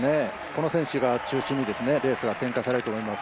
この選手が中心にレースが展開されると思います。